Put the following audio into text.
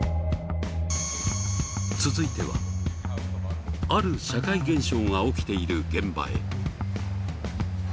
続いてはある社会現象が起きている現場へ。